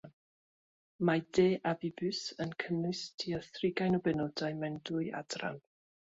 Mae “De avibus” yn cynnwys tua thrigain o benodau mewn dwy adran.